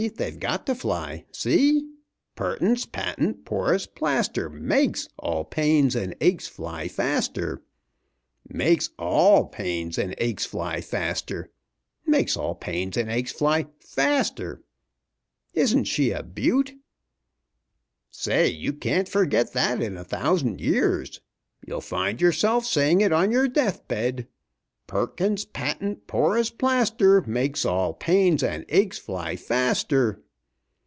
They've got to fly! See? 'Perkins's Patent Porous Plaster MAKES all pains and aches fly faster,' 'makes ALL pains and aches fly faster,' 'makes all pains and aches fly FASTER.' Isn't she a beaut.? Say, you can't forget that in a thousand years. You'll find yourself saying it on your death bed: "'Perkins's Patent Porous Plaster Makes all pains and aches fly faster.'"